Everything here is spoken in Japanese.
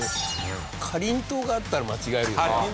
かんりとうがあったら間違えるよね。